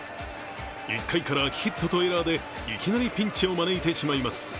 １回からヒットとエラーでいきなりピンチを招いてしまいます。